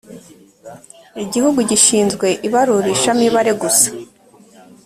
igihugu gishinzwe ibarurisha mibare gusa